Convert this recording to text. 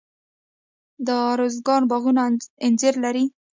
د ارزګان باغونه انځر لري.